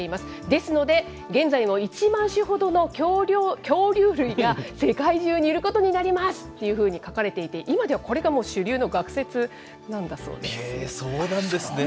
ですので、現在の１万種ほどの恐竜類が世界中にいることになりますっていうふうに書かれていて、今ではこれがもう主流の学説なんへー、そうなんですね。